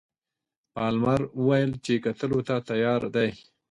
پالمر وویل چې کتلو ته تیار دی.